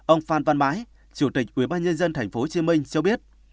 ông phan văn mãi chủ tịch ubnd tp hcm cho biết